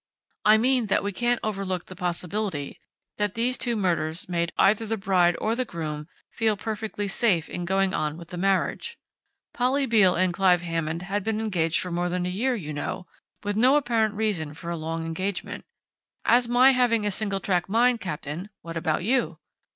I mean that we can't overlook the possibility that these two murders made either the bride or the groom feel perfectly safe in going on with the marriage. Polly Beale and Clive Hammond had been engaged for more than a year, you know, with no apparent reason for a long engagement.... As for my having a single track mind, Captain, what about you?